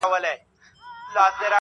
چي په دنيا کي محبت غواړمه.